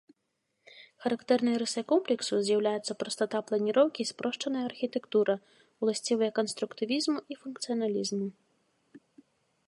Характэрнай рысай комплексу з'яўляецца прастата планіроўкі і спрошчаная архітэктура, уласцівыя канструктывізму і функцыяналізму.